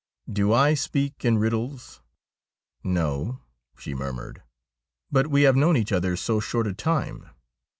Do I speak in riddles ?'' No,' she murmured ;' but we have known each other so short a time.'